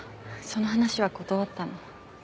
その話は断ったの。